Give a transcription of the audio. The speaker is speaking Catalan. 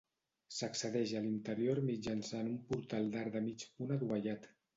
S'accedeix a l'interior mitjançant un portal d'arc de mig punt adovellat.